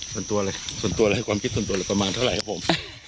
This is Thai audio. ส่วนตัวอะไรความคิดส่วนตัวประมาณเท่าไหร่ครับผม